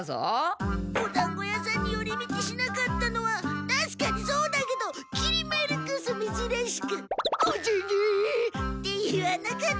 おだんご屋さんにより道しなかったのはたしかにそうだけどきり丸こそめずらしく「小ゼニ！」って言わなかったから。